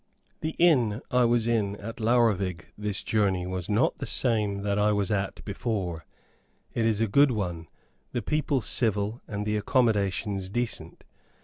The inn I was at in Laurvig this journey was not the same that I was at before. It is a good one the people civil, and the accommodations decent.